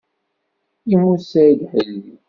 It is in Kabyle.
Yemmut Saɛid Ḥimi.